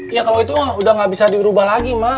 ya kalau itu udah gak bisa dirubah lagi mah